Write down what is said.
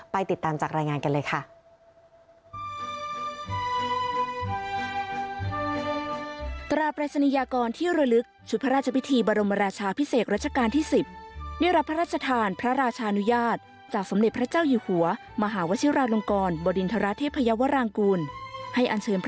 ติดตามจากรายงานกันเลยค่ะ